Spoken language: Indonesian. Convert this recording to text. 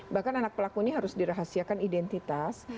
bahkan anak pelaku ini harus dirahasiakan identitas